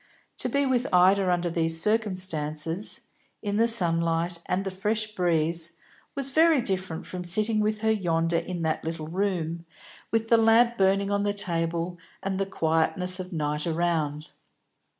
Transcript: To be with Ida under these circumstances, in the sunlight and the fresh breeze, was very different from sitting with her yonder in the little room, with the lamp burning on the table, and the quietness of night around.